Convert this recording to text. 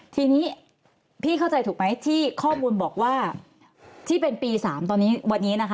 ทีนี้พี่เข้าใจถูกไหมที่ข้อมูลบอกว่าที่เป็นปี๓ตอนนี้วันนี้นะคะ